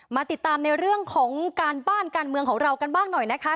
มาติดตามในเรื่องของการบ้านการเมืองของเรากันบ้างหน่อยนะคะ